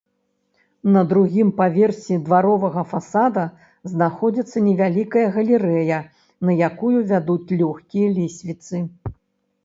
На другім паверсе дваровага фасада знаходзіцца невялікая галерэя, на якую вядуць лёгкія лесвіцы.